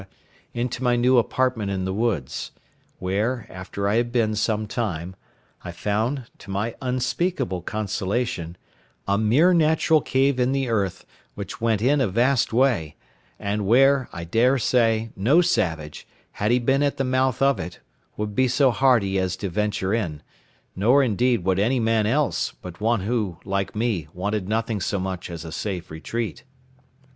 into my new apartment in the woods; where, after I had been some time, I found, to my unspeakable consolation, a mere natural cave in the earth, which went in a vast way, and where, I daresay, no savage, had he been at the mouth of it, would be so hardy as to venture in; nor, indeed, would any man else, but one who, like me, wanted nothing so much as a safe retreat.